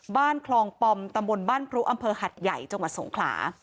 บ้านคลองปอมตำบลบ้านพรุอำเภอหัดใหญ่จังหวัดสงขลา